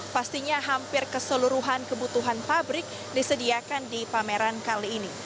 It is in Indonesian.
pastinya hampir keseluruhan kebutuhan pabrik disediakan di pameran kali ini